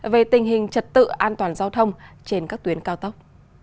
về tình hình trật tự an toàn giao thông trên các tuyến cao tốc